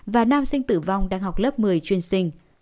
và nam sinh tử vong đang học lớp một mươi chuyên sinh